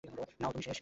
নাও, তুমি শেষ।